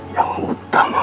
yang utama bagiku